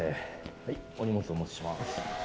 はいお荷物お持ちします。